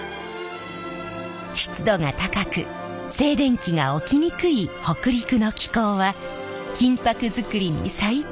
湿度が高く静電気が起きにくい北陸の気候は金箔作りに最適。